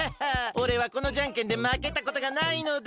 おれはこのじゃんけんでまけたことがないのだ！